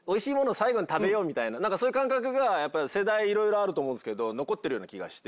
最後に食べようみたいな感覚が世代いろいろあると思うけど残ってるような気がして。